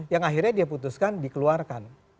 yang akhirnya dia putuskan dikeluarkan